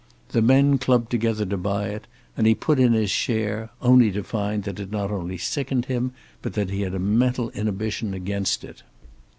The men clubbed together to buy it, and he put in his share, only to find that it not only sickened him, but that he had a mental inhibition against it.